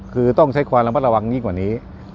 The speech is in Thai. คือต้องใช้ความระมัดระวังยิ่งกว่านี้